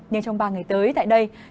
nên trong ba ngày tới tại đây